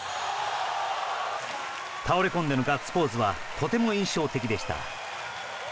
倒れ込んでのガッツポーズはとても印象的でした。